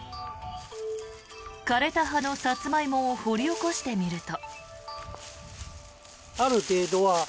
枯れた葉のサツマイモを掘り起こしてみると。